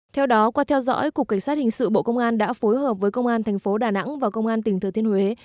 theo đó qua theo dõi cục cảnh sát hình sự bộ công an đã phối hợp với công an thành phố đà nẵng và công an tỉnh thừa thiên huế